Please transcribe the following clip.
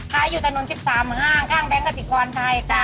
คร้ายอยู่ตนวน๑๓ห้างข้างแบลงกระจิกอวานไทยค่ะ